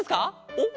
おっ？